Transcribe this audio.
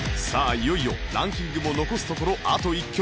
いよいよランキングも残すところあと１曲